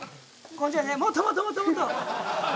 もっともっともっともっと！